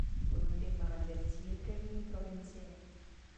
Burundi má dvě církevní provincie.